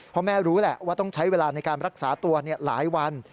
เพราะแม่รู้แหละว่าต้องใช้เวลาในการรักษาตัวหลายวัน